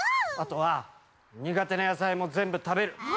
あとは苦手な野菜も全部食べる！